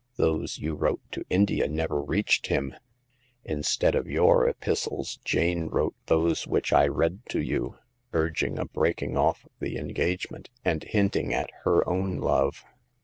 Those you wrote to India never reached him. Instead of your epistles, Jane wrote those which I read to you, urging a breaking off of the engagement, and hinting at her own love.